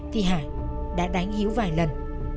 thì hải đã đánh hiếu vài lần